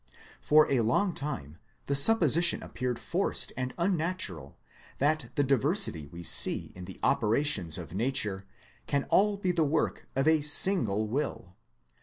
For a long time, the supposition appeared forced and unnatural that the diversity we see in the operations of nature can all be the work of a single will.